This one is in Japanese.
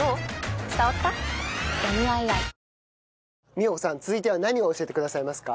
美代子さん続いては何を教えてくださいますか？